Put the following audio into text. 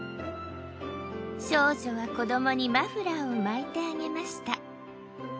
少女は子どもにマフラーを巻いてあげました。